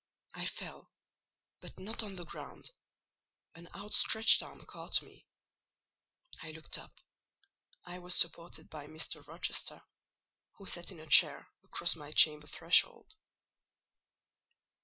I fell, but not on to the ground: an outstretched arm caught me. I looked up—I was supported by Mr. Rochester, who sat in a chair across my chamber threshold.